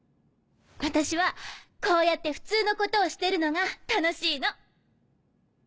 私はこうやって普通のことをしてるのが楽しいの。